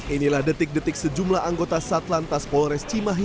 inilah detik detik sejumlah anggota satlantas polres cimahi